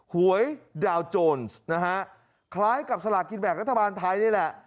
หวยดาวโจรนะฮะคล้ายกับสลากินแบ่งรัฐบาลไทยนี่แหละ